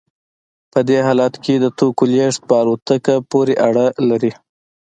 په دې حالت کې د توکو لیږد په الوتکه پورې اړه لري